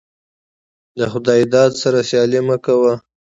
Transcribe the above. دخداى داده سره سيالي مه کوه.